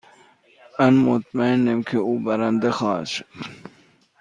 من مطمئنم که او برنده خواهد شد.